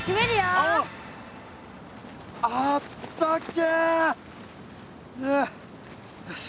あったけえよし。